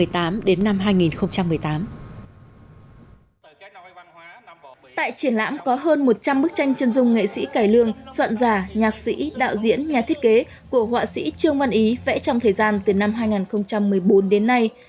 tại triển lãm có hơn một trăm linh bức tranh chân dung nghệ sĩ cải lương soạn giả nhạc sĩ đạo diễn nhà thiết kế của họa sĩ trương văn ý vẽ trong thời gian từ năm hai nghìn một mươi bốn đến nay